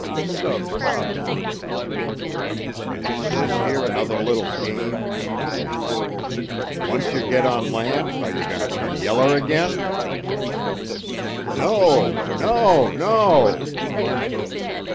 Stubbs thought a moment. "Is this here another little game?" he asked. "Once yer git on land are yer goin' ter turn yeller agin?" "No! No! No!"